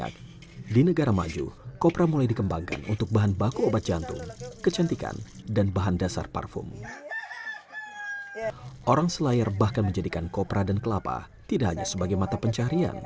terima kasih telah menonton video ini